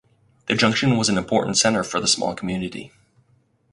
The junction was an important centre for the small community.